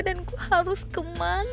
dan gue harus kemana